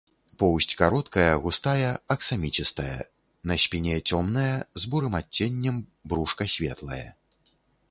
Поўсць кароткая, густая, аксаміцістая, на спіне цёмная з бурым адценнем, брушка светлае.